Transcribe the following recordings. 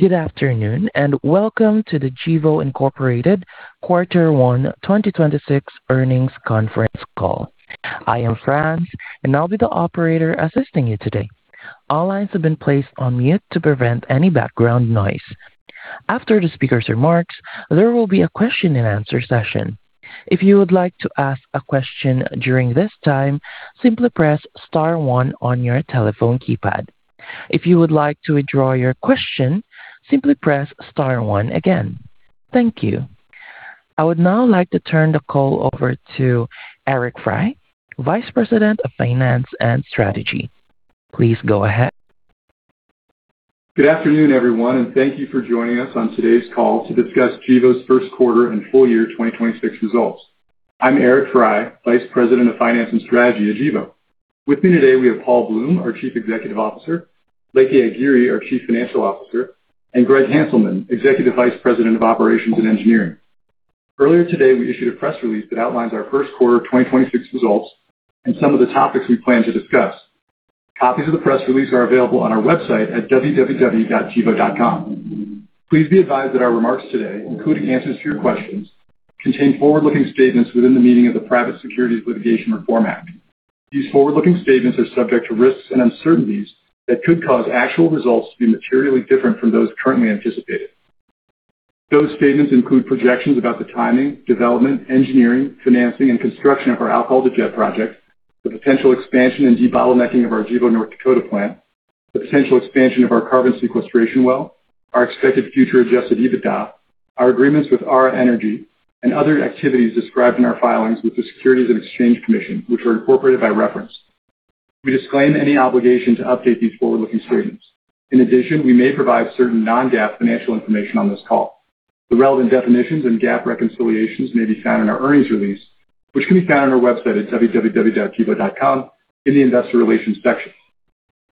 Good afternoon, and welcome to the Gevo, Inc Q1 2026 Earnings Conference Call. I am Fran, and I'll be the operator assisting you today. Thank you. I would now like to turn the call over to Eric Frey, Vice President of Finance and Strategy. Please go ahead. Good afternoon, everyone, and thank you for joining us on today's call to discuss Gevo's first quarter and full year 2026 results. I'm Eric Frey, Vice President of Finance and Strategy at Gevo. With me today, we have Paul Bloom, our Chief Executive Officer, Leke Agiri, our Chief Financial Officer, and Greg Hanselman, Executive Vice President of Operations and Engineering. Earlier today, we issued a press release that outlines our first quarter 2026 results and some of the topics we plan to discuss. Copies of the press release are available on our website at www.gevo.com. Please be advised that our remarks today, including answers to your questions, contain forward-looking statements within the meaning of the Private Securities Litigation Reform Act. These forward-looking statements are subject to risks and uncertainties that could cause actual results to be materially different from those currently anticipated. Those statements include projections about the timing, development, engineering, financing, and construction of our alcohol-to-jet project, the potential expansion and debottlenecking of our Gevo North Dakota plant, the potential expansion of our carbon sequestration well, our expected future adjusted EBITDA, our agreements with Ara Energy, and other activities described in our filings with the Securities and Exchange Commission, which are incorporated by reference. We disclaim any obligation to update these forward-looking statements. In addition, we may provide certain non-GAAP financial information on this call. The relevant definitions and GAAP reconciliations may be found in our earnings release, which can be found on our website at www.gevo.com in the investor relations section.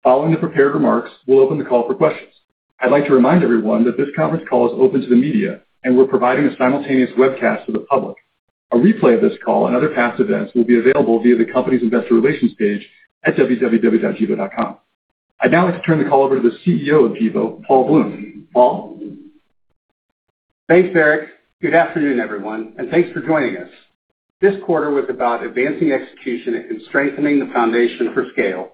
Following the prepared remarks, we'll open the call for questions. I'd like to remind everyone that this conference call is open to the media, and we're providing a simultaneous webcast to the public. A replay of this call and other past events will be available via the company's investor relations page at www.gevo.com. I'd now like to turn the call over to the CEO of Gevo, Paul Bloom. Paul? Thanks, Eric. Good afternoon, everyone, and thanks for joining us. This quarter was about advancing execution and strengthening the foundation for scale.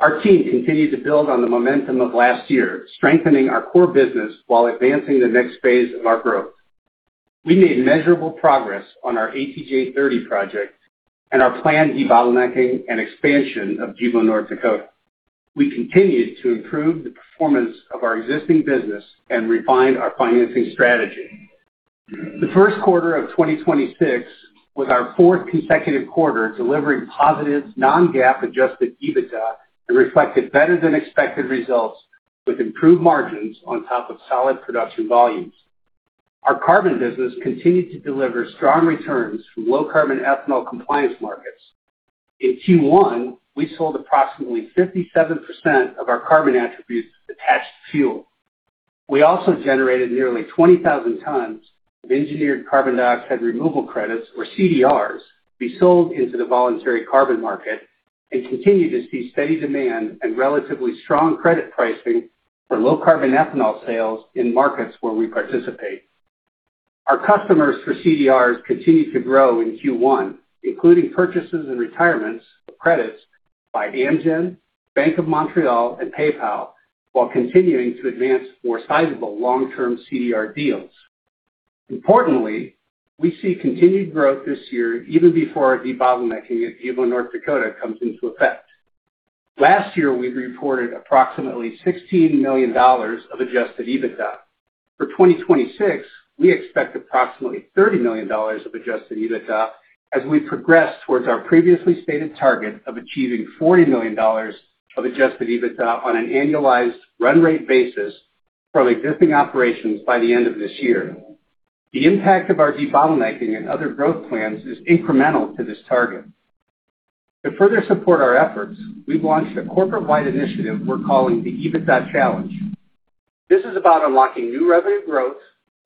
Our team continued to build on the momentum of last year, strengthening our core business while advancing the next phase of our growth. We made measurable progress on our ATJ-30 project and our planned debottlenecking and expansion of Gevo North Dakota. We continued to improve the performance of our existing business and refined our financing strategy. The first quarter of 2026 was our fourth consecutive quarter delivering positive non-GAAP adjusted EBITDA and reflected better than expected results with improved margins on top of solid production volumes. Our carbon business continued to deliver strong returns from low carbon ethanol compliance markets. In Q1, we sold approximately 57% of our carbon attributes attached to fuel. We also generated nearly 20,000 tons of engineered carbon dioxide removal credits or CDRs to be sold into the voluntary carbon market and continued to see steady demand and relatively strong credit pricing for low carbon ethanol sales in markets where we participate. Our customers for CDRs continued to grow in Q1, including purchases and retirements of credits by Amgen, Bank of Montreal, and PayPal, while continuing to advance more sizable long-term CDR deals. Importantly, we see continued growth this year even before our debottlenecking at Gevo North Dakota comes into effect. Last year, we reported approximately $16 million of adjusted EBITDA. For 2026, we expect approximately $30 million of adjusted EBITDA as we progress towards our previously stated target of achieving $40 million of adjusted EBITDA on an annualized run rate basis from existing operations by the end of this year. The impact of our debottlenecking and other growth plans is incremental to this target. To further support our efforts, we've launched a corporate-wide initiative we're calling the EBITDA challenge. This is about unlocking new revenue growth,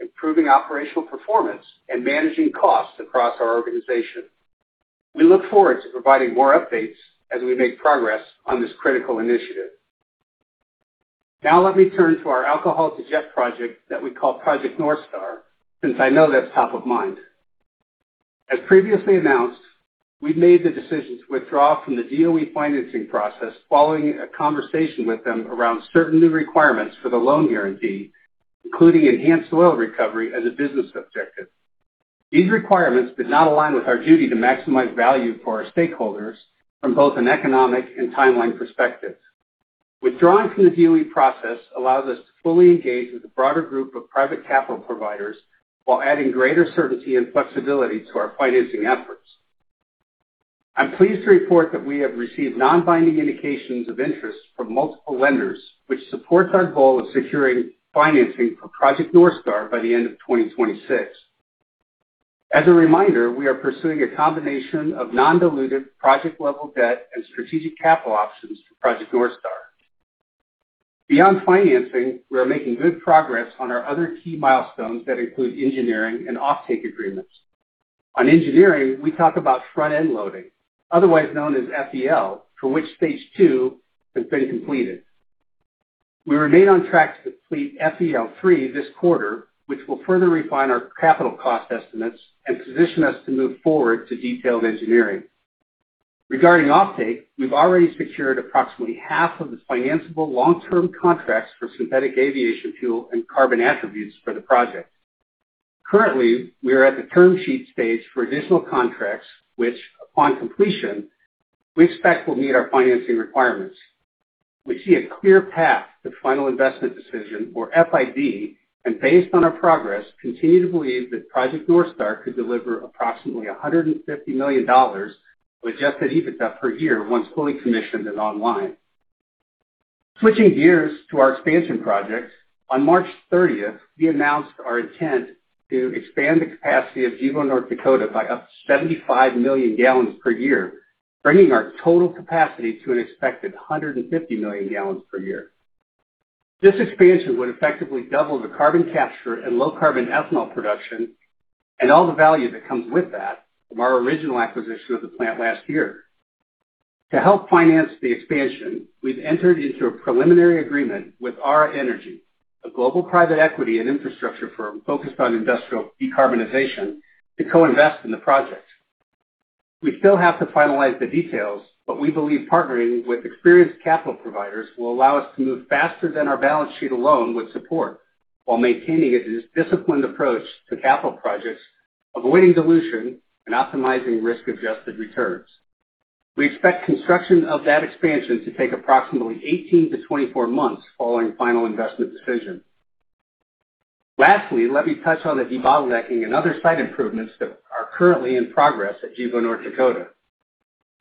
improving operational performance, and managing costs across our organization. We look forward to providing more updates as we make progress on this critical initiative. Now let me turn to our Alcohol-to-Jet project that we call Project North Star, since I know that's top of mind. As previously announced, we've made the decision to withdraw from the DOE financing process following a conversation with them around certain new requirements for the loan guarantee, including enhanced oil recovery as a business objective. These requirements did not align with our duty to maximize value for our stakeholders from both an economic and timeline perspective. Withdrawing from the DOE process allows us to fully engage with a broader group of private capital providers while adding greater certainty and flexibility to our financing efforts. I'm pleased to report that we have received non-binding indications of interest from multiple lenders, which supports our goal of securing financing for Project North Star by the end of 2026. As a reminder, we are pursuing a combination of non-dilutive project level debt and strategic capital options for Project North Star. Beyond financing, we are making good progress on our other key milestones that include engineering and offtake agreements. On engineering, we talk about front-end loading, otherwise known as FEL, for which phase II has been completed. We remain on track to complete FEL-3 this quarter, which will further refine our capital cost estimates and position us to move forward to detailed engineering. Regarding offtake, we've already secured approximately half of the financeable long-term contracts for synthetic aviation fuel and carbon attributes for the project. Currently, we are at the term sheet stage for additional contracts, which upon completion, we expect will meet our financing requirements. We see a clear path to final investment decision or FID, and based on our progress, continue to believe that Project North Star could deliver approximately $150 million with adjusted EBITDA per year once fully commissioned and online. Switching gears to our expansion projects. On March 30th, we announced our intent to expand the capacity of Gevo North Dakota by up to 75 million gallons per year, bringing our total capacity to an expected 150 million gallons per year. This expansion would effectively double the carbon capture and low carbon ethanol production and all the value that comes with that from our original acquisition of the plant last year. To help finance the expansion, we've entered into a preliminary agreement with Ara Energy, a global private equity and infrastructure firm focused on industrial decarbonization, to co-invest in the project. We still have to finalize the details, we believe partnering with experienced capital providers will allow us to move faster than our balance sheet alone would support, while maintaining a disciplined approach to capital projects, avoiding dilution and optimizing risk-adjusted returns. We expect construction of that expansion to take approximately 18-24 months following final investment decision. Lastly, let me touch on the debottlenecking and other site improvements that are currently in progress at Gevo North Dakota.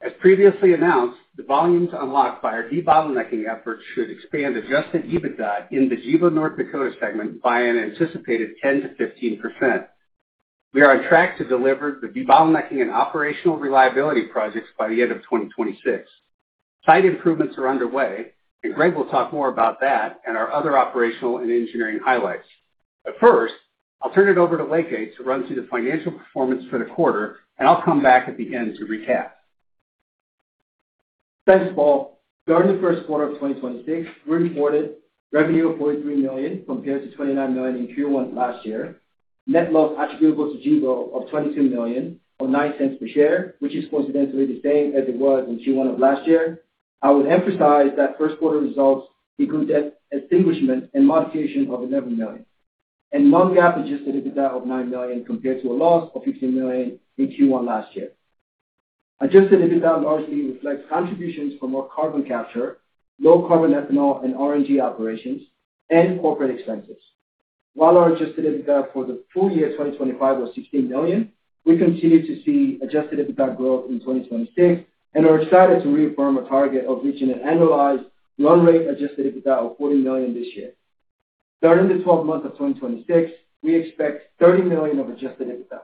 As previously announced, the volumes unlocked by our debottlenecking efforts should expand adjusted EBITDA in the Gevo North Dakota segment by an anticipated 10%-15%. We are on track to deliver the debottlenecking and operational reliability projects by the end of 2026. Site improvements are underway. Greg will talk more about that and our other operational and engineering highlights. First, I'll turn it over to Leke to run through the financial performance for the quarter, and I'll come back at the end to recap. Thanks, Paul. During the first quarter of 2026, we reported revenue of $43 million compared to $29 million in Q1 last year. Net loss attributable to Gevo of $22 million or $0.09 per share, which is coincidentally the same as it was in Q1 of last year. I would emphasize that first quarter results include debt extinguishment and modification of $11 million, and non-GAAP adjusted EBITDA of $9 million compared to a loss of $15 million in Q1 last year. Adjusted EBITDA largely reflects contributions from our carbon capture, low carbon ethanol and RNG operations, and corporate expenses. While our adjusted EBITDA for the full year 2025 was $16 million, we continue to see adjusted EBITDA growth in 2026 and are excited to reaffirm a target of reaching an annualized run rate adjusted EBITDA of $40 million this year. During the 12 months of 2026, we expect $30 million of adjusted EBITDA.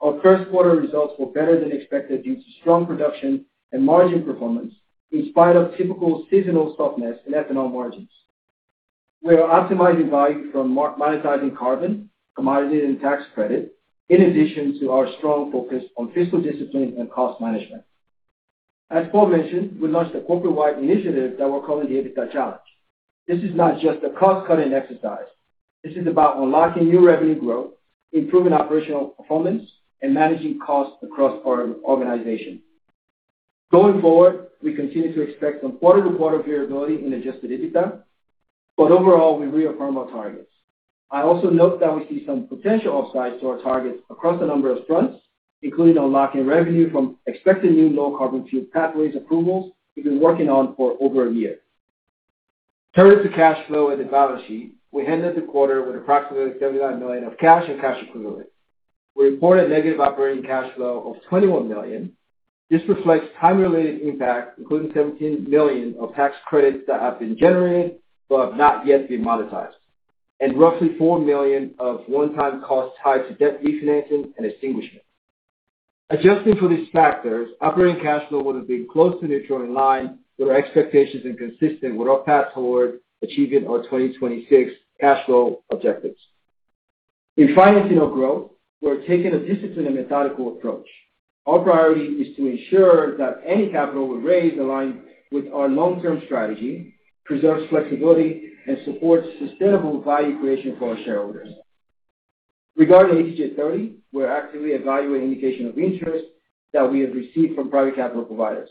Our first quarter results were better than expected due to strong production and margin performance in spite of typical seasonal softness in ethanol margins. We are optimizing value from monetizing carbon, commodities and tax credit, in addition to our strong focus on fiscal discipline and cost management. As Paul mentioned, we launched a corporate-wide initiative that we're calling the EBITDA challenge. This is not just a cost-cutting exercise. This is about unlocking new revenue growth, improving operational performance, and managing costs across our organization. Going forward, we continue to expect some quarter-to-quarter variability in adjusted EBITDA, but overall, we reaffirm our targets. I also note that we see some potential upsides to our targets across a number of fronts, including unlocking revenue from expected new low carbon fuel pathways approvals we've been working on for over a year. Turning to cash flow and the balance sheet, we ended the quarter with approximately $79 million of cash and cash equivalents. We reported negative operating cash flow of $21 million. This reflects time-related impact, including $17 million of tax credits that have been generated but have not yet been monetized, and roughly $4 million of one-time costs tied to debt refinancing and extinguishment. Adjusting for these factors, operating cash flow would have been close to neutral in line with our expectations and consistent with our path toward achieving our 2026 cash flow objectives. In financing our growth, we're taking a disciplined and methodical approach. Our priority is to ensure that any capital we raise aligns with our long-term strategy, preserves flexibility, and supports sustainable value creation for our shareholders. Regarding ATJ-30, we're actively evaluating indication of interest that we have received from private capital providers.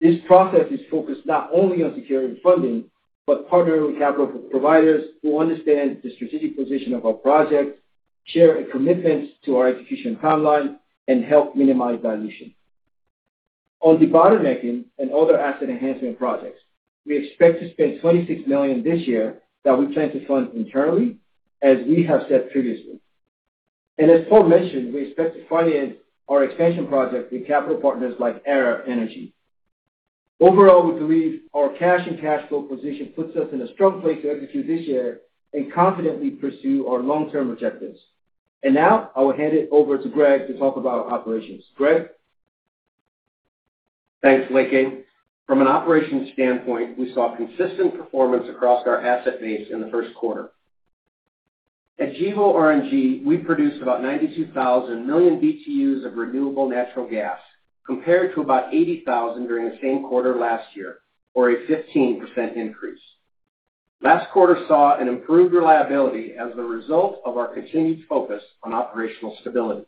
This process is focused not only on securing funding, but partnering with capital providers who understand the strategic position of our project, share a commitment to our execution timeline, and help minimize dilution. On debottlenecking and other asset enhancement projects, we expect to spend $26 million this year that we plan to fund internally, as we have said previously. As Paul mentioned, we expect to finance our expansion project with capital partners like Ara Energy. Overall, we believe our cash and cash flow position puts us in a strong place to execute this year and confidently pursue our long-term objectives. Now, I will hand it over to Greg to talk about operations. Greg? Thanks, Leke. From an operations standpoint, we saw consistent performance across our asset base in the first quarter. At Gevo RNG, we produced about 92,000 million BTUs of renewable natural gas, compared to about 80,000 during the same quarter last year, or a 15% increase. Last quarter saw an improved reliability as a result of our continued focus on operational stability.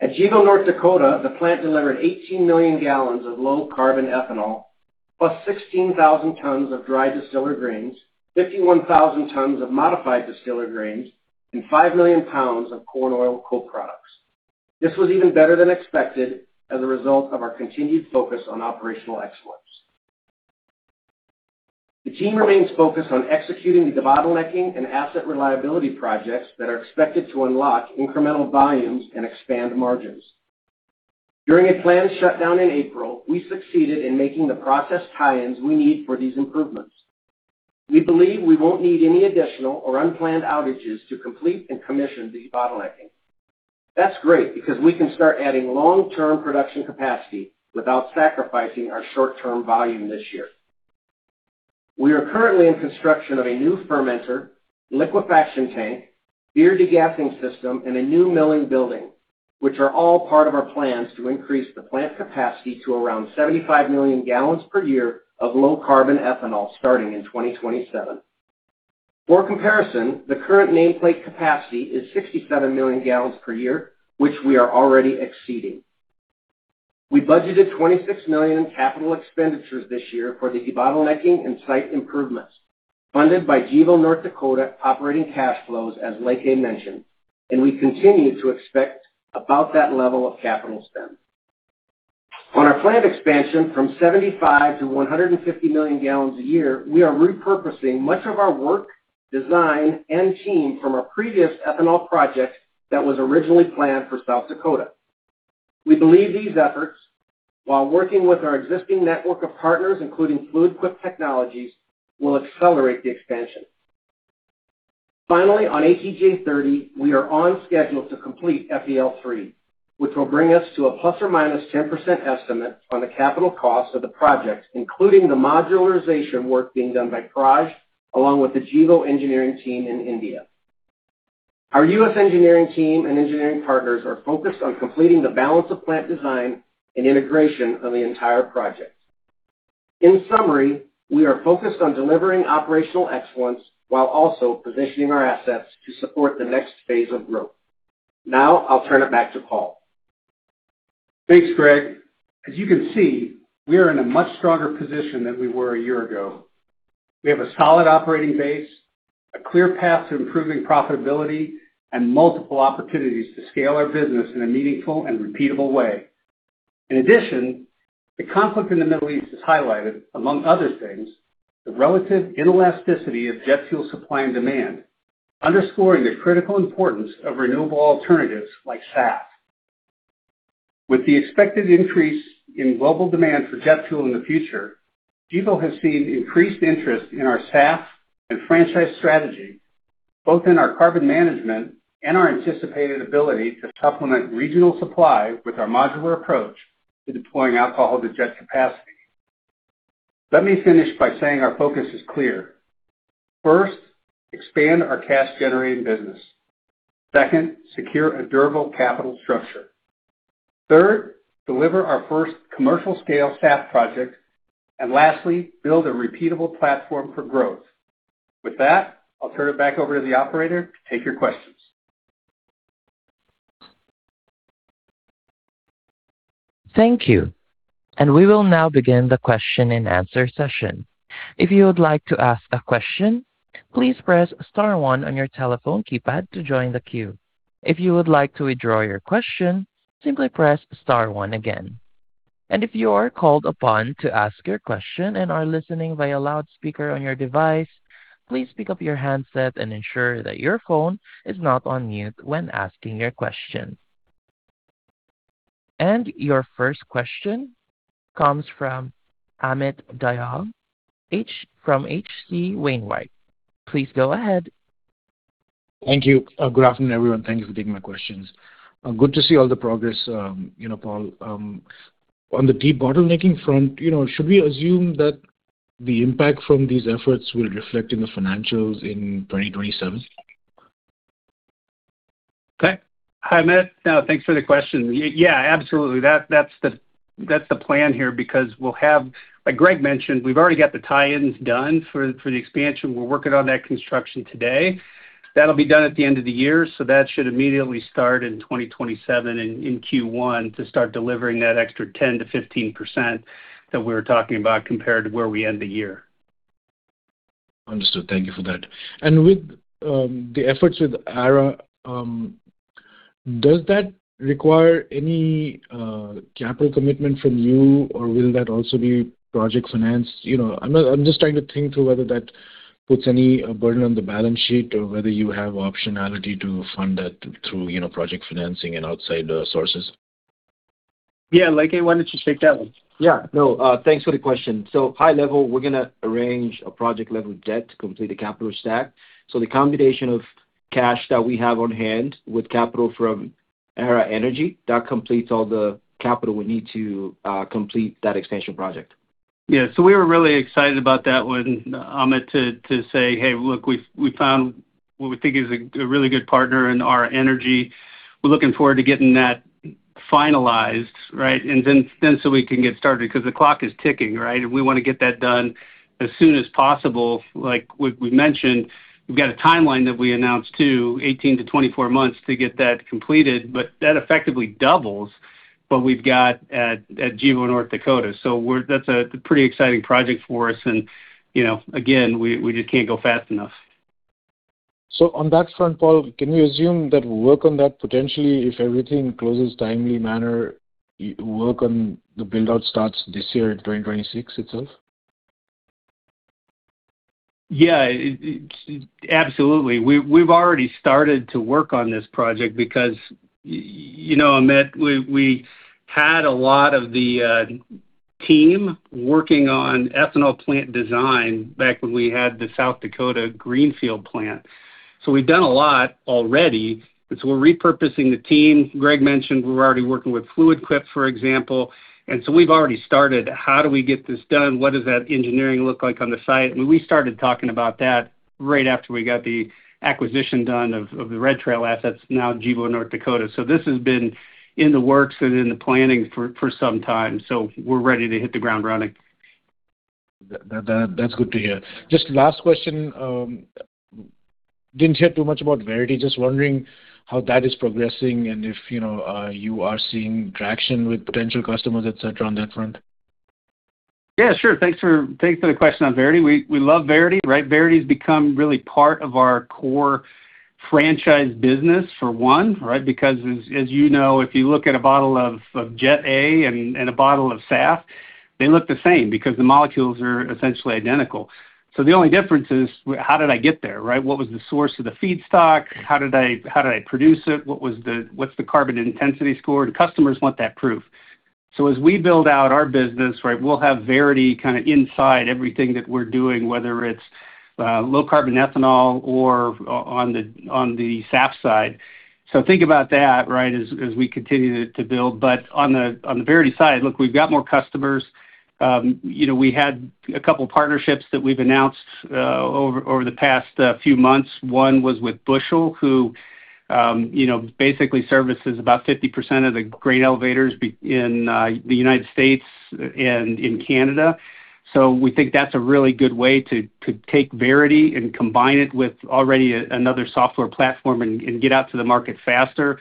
At Gevo North Dakota, the plant delivered 18 million gallons of low carbon ethanol, plus 16,000 tons of dry distiller grains, 51,000 tons of modified distiller grains, and 5 million pounds of corn oil co-products. This was even better than expected as a result of our continued focus on operational excellence. The team remains focused on executing the debottlenecking and asset reliability projects that are expected to unlock incremental volumes and expand margins. During a planned shutdown in April, we succeeded in making the process tie-ins we need for these improvements. We believe we won't need any additional or unplanned outages to complete and commission debottlenecking. That's great because we can start adding long-term production capacity without sacrificing our short-term volume this year. We are currently in construction of a new fermenter, liquefaction tank, beer degassing system, and a new milling building, which are all part of our plans to increase the plant capacity to around 75 million gallons per year of low carbon ethanol starting in 2027. For comparison, the current nameplate capacity is 67 million gallons per year, which we are already exceeding. We budgeted $26 million in capital expenditures this year for debottlenecking and site improvements funded by Gevo North Dakota operating cash flows, as Leke mentioned, and we continue to expect about that level of capital spend. On our planned expansion from 75 million to 150 million gallons a year, we are repurposing much of our work, design, and team from our previous ethanol project that was originally planned for South Dakota. We believe these efforts, while working with our existing network of partners, including Fluid Quip Technologies, will accelerate the expansion. Finally, on ATJ-30, we are on schedule to complete FEL-3, which will bring us to a ±10% estimate on the capital cost of the project, including the modularization work being done by Praj along with the Gevo engineering team in India. Our U.S. engineering team and engineering partners are focused on completing the balance of plant design and integration of the entire project. In summary, we are focused on delivering operational excellence while also positioning our assets to support the next phase of growth. Now I'll turn it back to Paul. Thanks, Greg. As you can see, we are in a much stronger position than we were a year ago. We have a solid operating base, a clear path to improving profitability, and multiple opportunities to scale our business in a meaningful and repeatable way. In addition, the conflict in the Middle East has highlighted, among other things, the relative inelasticity of jet fuel supply and demand, underscoring the critical importance of renewable alternatives like SAF. With the expected increase in global demand for jet fuel in the future, Gevo has seen increased interest in our SAF and franchise strategy, both in our carbon management and our anticipated ability to supplement regional supply with our modular approach to deploying alcohol-to-jet capacity. Let me finish by saying our focus is clear. First, expand our cash generating business. Second, secure a durable capital structure. Third, deliver our first commercial scale SAF project. Lastly, build a repeatable platform for growth. With that, I'll turn it back over to the operator to take your questions. Thank you. We will now begin the question and answer session. If you would like to ask a question, please press star one on your telephone keypad to join the queue. If you would like to withdraw your question, simply press star one again. If you are called upon to ask your question and are listening via loudspeaker on your device, please pick up your handset and ensure that your phone is not on mute when asking your question. Your first question comes from Amit Dayal, from H.C. Wainwright. Please go ahead. Thank you. Good afternoon, everyone. Thank you for taking my questions. Good to see all the progress, you know, Paul. On the debottlenecking front, you know, should we assume that the impact from these efforts will reflect in the financials in 2027? Okay. Hi, Amit. No, thanks for the question. Yeah, absolutely. That's the plan here because, like Greg mentioned, we've already got the tie-ins done for the expansion. We're working on that construction today. That'll be done at the end of the year, so that should immediately start in 2027 in Q1 to start delivering that extra 10%-15% that we were talking about compared to where we end the year. Understood. Thank you for that. With the efforts with Ara, does that require any capital commitment from you, or will that also be project financed? You know, I'm just trying to think through whether that puts any burden on the balance sheet or whether you have optionality to fund that through, you know, project financing and outside sources. Yeah. Leke, why don't you take that one? Yeah. No, thanks for the question. High level, we're gonna arrange a project level debt to complete the capital stack. The combination of cash that we have on hand with capital from Ara Energy. That completes all the capital we need to complete that expansion project. We were really excited about that one, Amit, to say, "Hey, look, we found what we think is a really good partner in Ara Energy." We're looking forward to getting that finalized, right? Then we can get started because the clock is ticking, right? We wanna get that done as soon as possible. Like we mentioned, we've got a timeline that we announced too, 18-24 months to get that completed. That effectively doubles what we've got at Gevo North Dakota. That's a pretty exciting project for us and, you know, again, we just can't go fast enough. On that front, Paul, can we assume that work on that potentially, if everything closes timely manner, work on the build-out starts this year, in 2026 itself? Yeah. Absolutely. We've already started to work on this project because, you know, Amit, we had a lot of the team working on ethanol plant design back when we had the South Dakota greenfield plant. We're repurposing the team. Greg mentioned we're already working with Fluid Quip, for example. We've already started, how do we get this done? What does that engineering look like on the site? We started talking about that right after we got the acquisition done of the Red Trail assets, now Gevo North Dakota. This has been in the works and in the planning for some time, so we're ready to hit the ground running. That's good to hear. Just last question, didn't hear too much about Verity. Just wondering how that is progressing and if, you know, you are seeing traction with potential customers, et cetera, on that front. Yeah, sure. Thanks for the question on Verity. We love Verity, right? Verity's become really part of our core franchise business for one, right? Because as you know, if you look at a bottle of Jet A and a bottle of SAF, they look the same because the molecules are essentially identical. The only difference is how did I get there, right? What was the source of the feedstock? How did I produce it? What's the carbon intensity score? The customers want that proof. As we build out our business, right, we'll have Verity kind of inside everything that we're doing, whether it's low carbon ethanol or on the SAF side. Think about that, right, as we continue to build. On the Verity side, look, we've got more customers. You know, we had a couple partnerships that we've announced over the past few months. One was with Bushel, who, you know, basically services about 50% of the grain elevators in the United States and in Canada. We think that's a really good way to take Verity and combine it with already another software platform and get out to the market faster.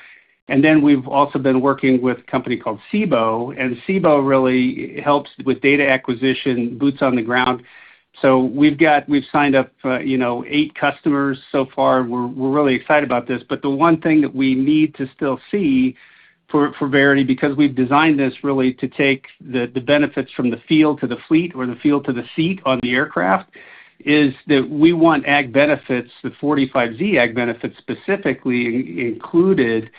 We've also been working with a company called CIBO, and CIBO really helps with data acquisition, boots on the ground. We've signed up, you know, eight customers so far. We're really excited about this. The one thing that we need to still see for Verity, because we've designed this really to take the benefits from the field to the fleet or the field to the seat on the aircraft, is that we want ag benefits, the 45Z ag benefits specifically included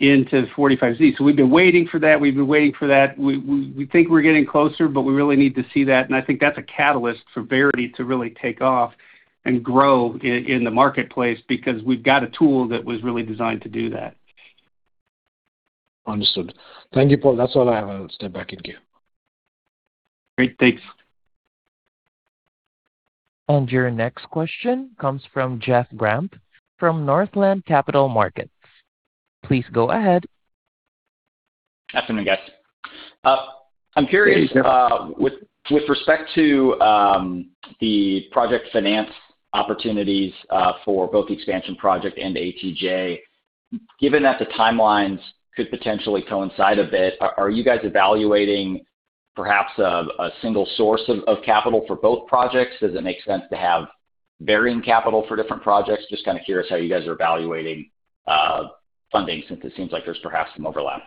into 45Z. We've been waiting for that, we've been waiting for that. We think we're getting closer, but we really need to see that, and I think that's a catalyst for Verity to really take off and grow in the marketplace because we've got a tool that was really designed to do that. Understood. Thank you, Paul. That's all I have. I'll step back and queue. Great. Thanks. Your next question comes from Jeff Grampp from Northland Capital Markets. Please go ahead. Good afternoon, guys. I'm curious- Hey, Jeff. With respect to the project finance opportunities, for both the expansion project and ATJ, given that the timelines could potentially coincide a bit, are you guys evaluating perhaps a single source of capital for both projects? Does it make sense to have varying capital for different projects? Just kinda curious how you guys are evaluating funding since it seems like there's perhaps some overlap.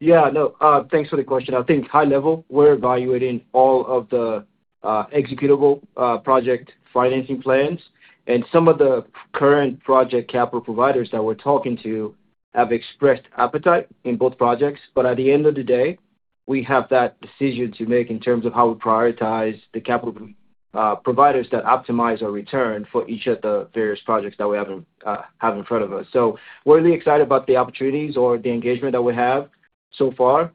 Yeah, no. Thanks for the question. I think high level, we're evaluating all of the executable project financing plans, and some of the current project capital providers that we're talking to have expressed appetite in both projects. At the end of the day, we have that decision to make in terms of how we prioritize the capital providers that optimize our return for each of the various projects that we have in front of us. We're really excited about the opportunities or the engagement that we have so far.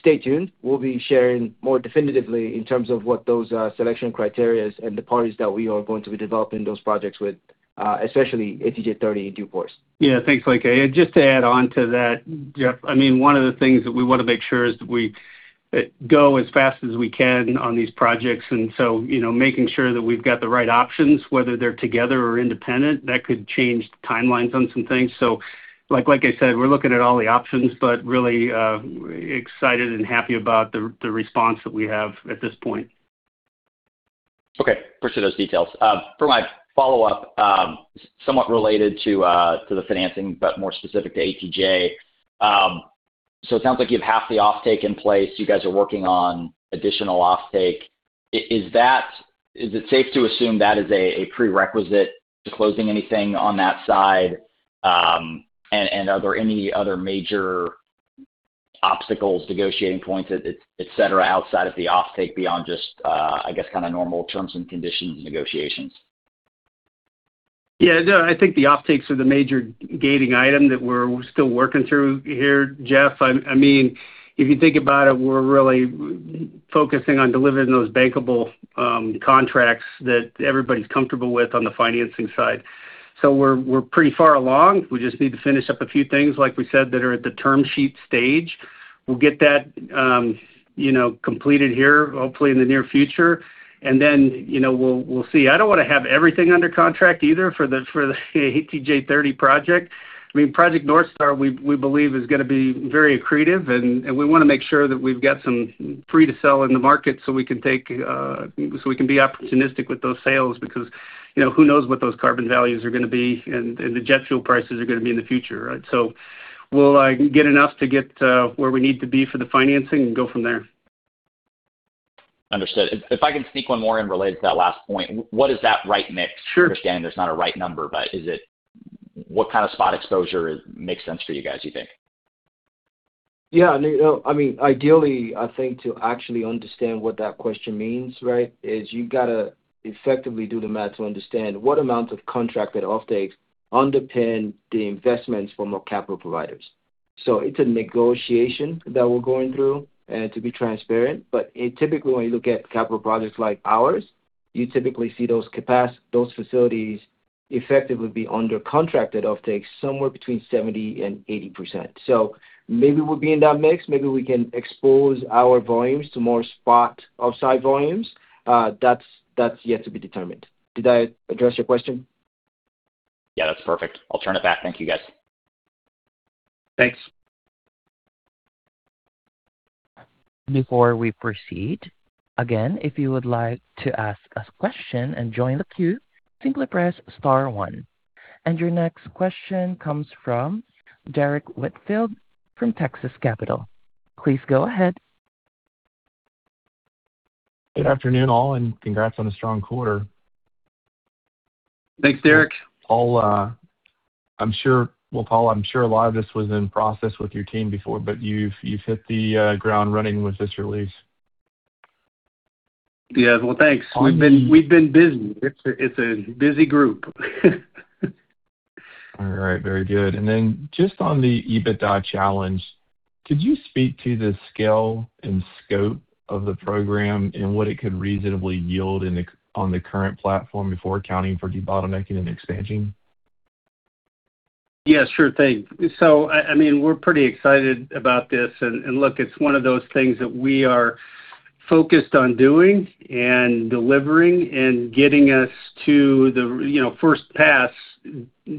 Stay tuned. We'll be sharing more definitively in terms of what those selection criterias and the parties that we are going to be developing those projects with, especially ATJ-30 in due course. Yeah. Thanks, Leke. Just to add on to that, Jeff, I mean, one of the things that we wanna make sure is that we go as fast as we can on these projects. You know, making sure that we've got the right options, whether they're together or independent, that could change timelines on some things. Like, like I said, we're looking at all the options, but really excited and happy about the response that we have at this point. Okay. Appreciate those details. For my follow-up, somewhat related to the financing, but more specific to ATJ, so it sounds like you have half the offtake in place. You guys are working on additional offtake. Is that safe to assume that is a prerequisite to closing anything on that side? Are there any other major obstacles, negotiating points, etcetera outside of the offtake beyond just, I guess, kinda normal terms and conditions and negotiations? Yeah, no, I think the offtakes are the major gating item that we're still working through here, Jeff. I mean, if you think about it, we're really focusing on delivering those bankable contracts that everybody's comfortable with on the financing side. We're pretty far along. We just need to finish up a few things, like we said, that are at the term sheet stage. We'll get that, you know, completed here, hopefully in the near future. You know, we'll see. I don't wanna have everything under contract either for the ATJ-30 project. I mean, Project North Star, we believe is gonna be very accretive, and we wanna make sure that we've got some free to sell in the market so we can be opportunistic with those sales because, you know, who knows what those carbon values are gonna be and the jet fuel prices are gonna be in the future, right? We'll get enough to get where we need to be for the financing and go from there. Understood. If I can sneak one more in related to that last point, what is that right mix? Sure. Understanding there's not a right number, what kind of spot exposure makes sense for you guys, you think? No, I mean, ideally, I think to actually understand what that question means, right, is you've got to effectively do the math to understand what amount of contracted offtakes underpin the investments from our capital providers. It's a negotiation that we're going through to be transparent. Typically, when you look at capital projects like ours, you typically see those facilities effectively be under contracted offtakes somewhere between 70% and 80%. Maybe we'll be in that mix. Maybe we can expose our volumes to more spot offsite volumes. That's yet to be determined. Did that address your question? Yeah, that's perfect. I'll turn it back. Thank you, guys. Thanks. Before we proceed, again, if you would like to ask a question and join the queue, simply press star one. Your next question comes from Derrick Whitfield from Texas Capital. Please go ahead. Good afternoon, all, and congrats on a strong quarter. Thanks, Derrick. Well, Paul, I'm sure a lot of this was in process with your team before, but you've hit the ground running with this release. Well, thanks. We've been busy. It's a busy group. All right. Very good. Just on the EBITDA challenge, could you speak to the scale and scope of the program and what it could reasonably yield on the current platform before accounting for debottlenecking and expanding? I mean, we're pretty excited about this. Look, it's one of those things that we are focused on doing and delivering and getting us to the, you know, first pass,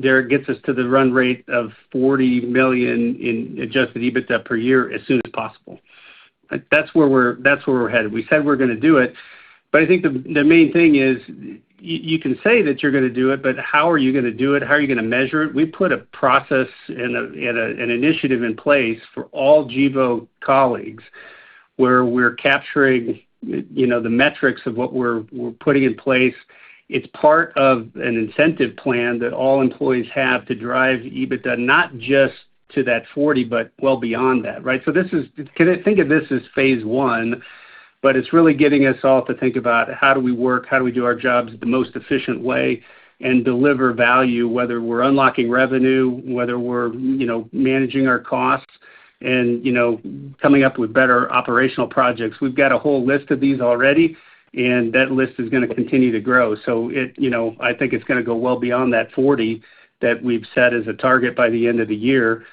Derrick, gets us to the run rate of $40 million in adjusted EBITDA per year as soon as possible. That's where we're headed. We said we're gonna do it. I think the main thing is you can say that you're gonna do it, but how are you gonna do it? How are you gonna measure it? We put a process and an initiative in place for all Gevo colleagues, where we're capturing, you know, the metrics of what we're putting in place. It's part of an incentive plan that all employees have to drive EBITDA, not just to that $40 million, but well beyond that, right? This is kind of think of this as phase one, but it's really getting us all to think about how do we work, how do we do our jobs the most efficient way and deliver value, whether we're unlocking revenue, whether we're, you know, managing our costs and, you know, coming up with better operational projects. We've got a whole list of these already, that list is going to continue to grow. It, you know, I think it's going to go well beyond that $40 million that we've set as a target by the end of the year.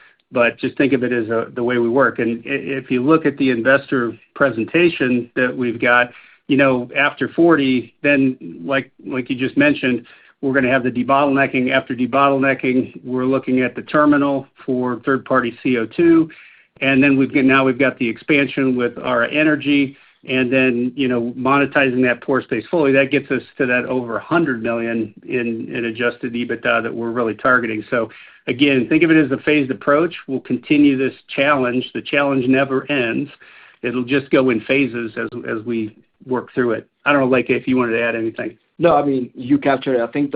Just think of it as the way we work. If you look at the investor presentation that we've got, you know, after $40 million, then, like you just mentioned, we're gonna have the debottlenecking. After debottlenecking, we're looking at the terminal for third-party CO2. Then now we've got the expansion with our energy and then, you know, monetizing that pore space fully. That gets us to that over $100 million in adjusted EBITDA that we're really targeting. Again, think of it as a phased approach. We'll continue this challenge. The challenge never ends. It'll just go in phases as we work through it. I don't know, Leke, if you wanted to add anything. No. I mean, you captured it. I think,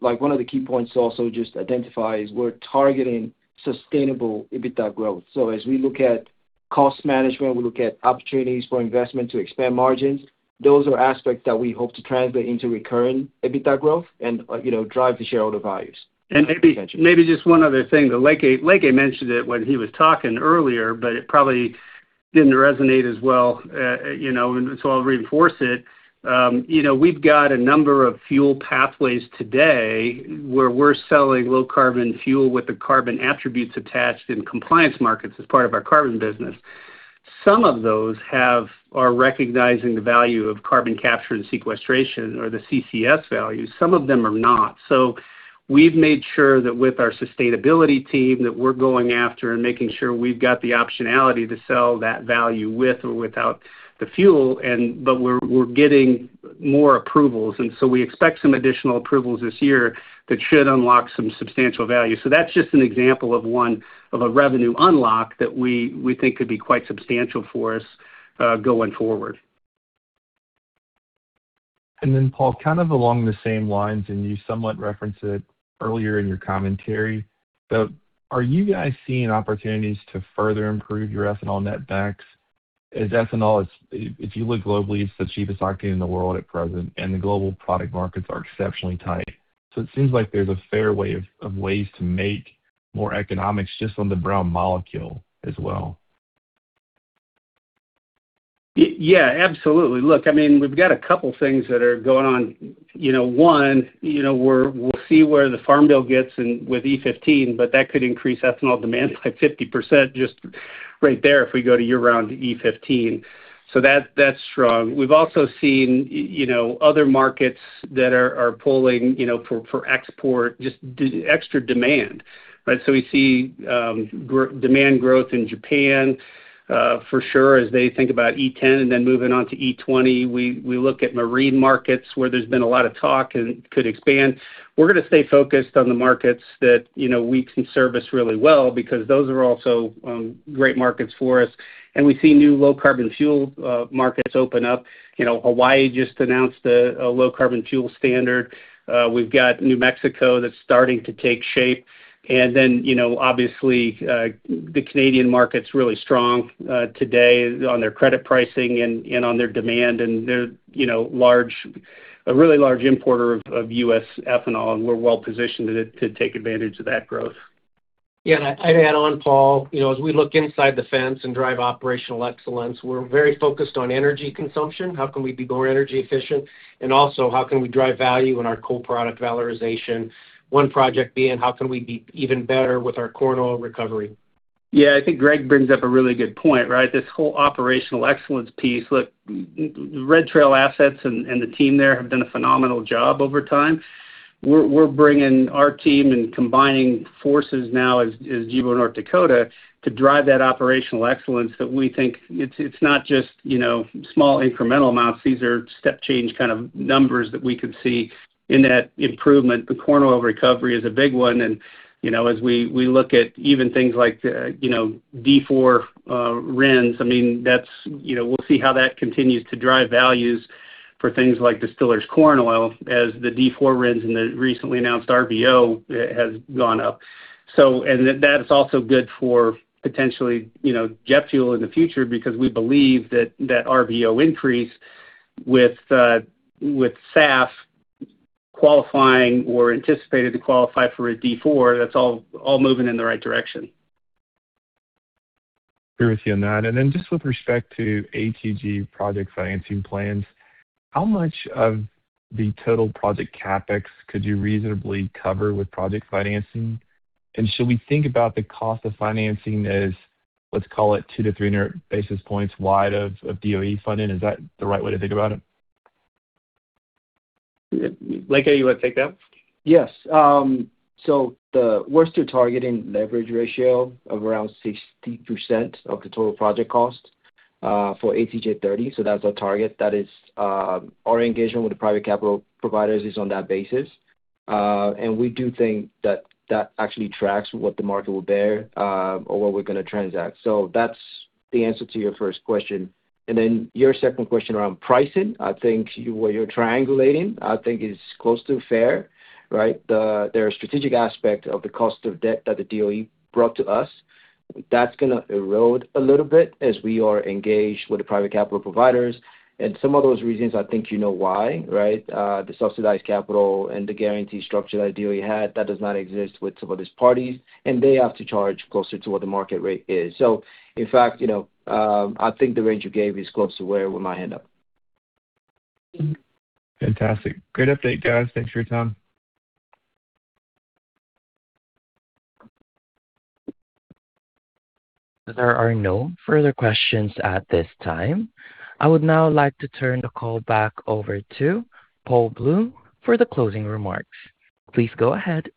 like, one of the key points to also just identify is we're targeting sustainable EBITDA growth. As we look at cost management, we look at opportunities for investment to expand margins, those are aspects that we hope to translate into recurring EBITDA growth and, you know, drive the shareholder values and potential. Maybe just one other thing. Leke mentioned it when he was talking earlier, but it probably didn't resonate as well, you know, I'll reinforce it. You know, we've got a number of fuel pathways today where we're selling low carbon fuel with the carbon attributes attached in compliance markets as part of our carbon business. Some of those are recognizing the value of carbon capture and sequestration or the CCS value, some of them are not. We've made sure that with our sustainability team that we're going after and making sure we've got the optionality to sell that value with or without the fuel but we're getting more approvals. We expect some additional approvals this year that should unlock some substantial value. That's just an example of one of a revenue unlock that we think could be quite substantial for us, going forward. Paul, kind of along the same lines, and you somewhat referenced it earlier in your commentary. Are you guys seeing opportunities to further improve your ethanol net backs? As ethanol is, if you look globally, it's the cheapest octane in the world at present, and the global product markets are exceptionally tight. It seems like there's a fair way of ways to make more economics just on the brown molecule as well. Yeah, absolutely. Look, I mean, we've got a couple things that are going on. You know, one, you know, we'll see where the farm bill gets in with E15, that could increase ethanol demand by 50% just right there if we go to year-round E15. That's strong. We've also seen, you know, other markets that are pulling, you know, for export, just extra demand, right? We see demand growth in Japan for sure as they think about E10 and then moving on to E20. We look at marine markets where there's been a lot of talk and could expand. We're going to stay focused on the markets that, you know, we can service really well because those are also great markets for us. We see new low carbon fuel markets open up. You know, Hawaii just announced a low carbon fuel standard. We've got New Mexico that's starting to take shape. Then, you know, obviously, the Canadian market's really strong today on their credit pricing and on their demand, and they're, you know, a really large importer of U.S. ethanol, and we're well-positioned to take advantage of that growth. Yeah. I'd add on, Paul, you know, as we look inside the fence and drive operational excellence, we're very focused on energy consumption. How can we be more energy efficient? Also, how can we drive value in our co-product valorization? One project being, how can we be even better with our corn oil recovery? Yeah. I think Greg brings up a really good point, right? This whole operational excellence piece. Look, Red Trail assets and the team there have done a phenomenal job over time. We're bringing our team and combining forces now as Gevo North Dakota to drive that operational excellence that we think it's not just, you know, small incremental amounts. These are step change kind of numbers that we could see in that improvement. The corn oil recovery is a big one. You know, as we look at even things like, you know, D4 RINs, I mean, that's, you know, we'll see how that continues to drive values for things like distillers corn oil as the D4 RINs in the recently announced RVO has gone up. That's also good for potentially, you know, jet fuel in the future because we believe that that RVO increase with SAF qualifying or anticipated to qualify for a D4, that's all moving in the right direction. Agree with you on that. Just with respect to ATJ project financing plans, how much of the total project CapEx could you reasonably cover with project financing? Should we think about the cost of financing as, let's call it, 200-300 basis points wide of DOE funding? Is that the right way to think about it? Leke, you wanna take that? Yes. We're still targeting leverage ratio of around 60% of the total project cost for ATJ-30. That's our target. That is, our engagement with the private capital providers is on that basis. We do think that that actually tracks what the market will bear or what we're gonna transact. That's the answer to your first question. Then your second question around pricing, I think what you're triangulating, I think is close to fair, right? There are strategic aspect of the cost of debt that the DOE brought to us. That's gonna erode a little bit as we are engaged with the private capital providers. Some of those reasons, I think you know why, right? The subsidized capital and the guarantee structure that DOE had, that does not exist with some of these parties, and they have to charge closer to what the market rate is. In fact, you know, I think the range you gave is close to where we might end up. Fantastic. Great update, guys. Thanks for your time. There are no further questions at this time. I would now like to turn the call back over to Paul Bloom for the closing remarks. Please go ahead.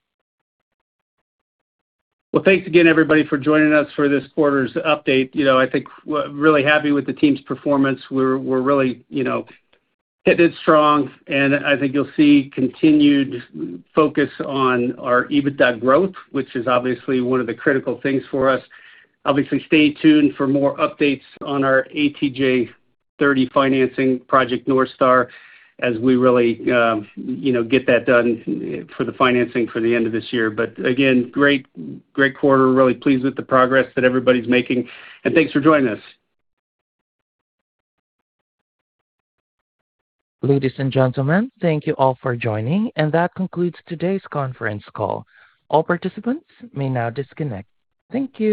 Well, thanks again, everybody, for joining us for this quarter's update. You know, I think we're really happy with the team's performance. We're really, you know, headed strong, and I think you'll see continued focus on our EBITDA growth, which is obviously one of the critical things for us. Obviously, stay tuned for more updates on our ATJ-30 financing Project North Star as we really, you know, get that done for the financing for the end of this year. Again, great quarter. Really pleased with the progress that everybody's making, and thanks for joining us. Ladies and gentlemen, thank you all for joining, and that concludes today's conference call. All participants may now disconnect. Thank you.